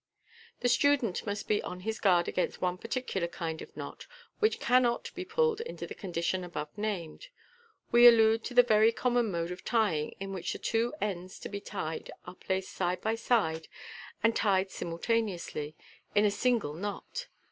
The student must be on his guard against one particular kind of knot, which cannot be pulled into the condition above named. We allude to the very common mode of tying, in which the two ends to be tied are placed side by side, and tied simultaneously in a single knot.